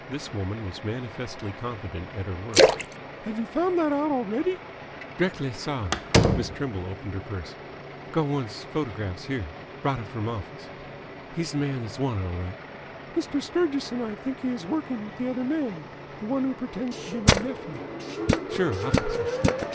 This woman was manifestly competent at her work. "Have you found that out already?" "D'rectly saw him." Miss Trimble opened her purse. "Go' one 'f his photographs here. Brought it from office. He's th' man that's wanted 'll right." "Mr. Sturgis and I both think he is working with the other man, the one who pretends to be my nephew." "Sure. I'll fix 'm."